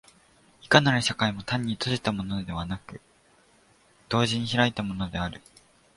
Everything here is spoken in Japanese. いかなる社会も単に閉じたものでなく、同時に開いたものである。